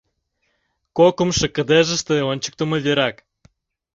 Кокымшо кыдежыште ончыктымо верак.